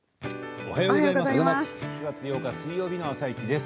おはようございます。